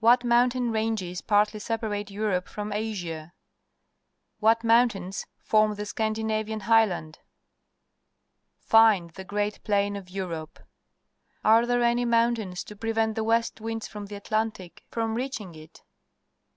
What mountain ranges partly separate Europe from Asia ? What mountains form the Scandinavian Highland ? Find the Great Plain of Europe. Are there any mountains to prevent the west winds from the Atlantic from reaching it?